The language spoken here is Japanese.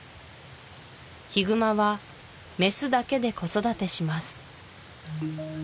ヒグマはメスだけで子育てします